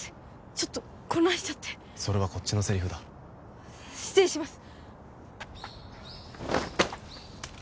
ちょっと混乱しちゃってそれはこっちのセリフだ失礼します